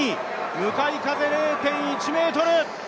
向かい風０．１メートル。